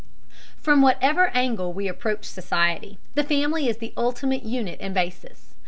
From whatever angle we approach society, the family is the ultimate unit and basis.